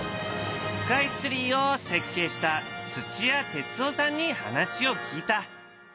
スカイツリーを設計した土屋哲夫さんに話を聞いた。